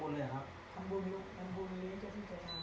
คำบูรณ์อยู่คำบูรณ์อยู่ที่จัดทาง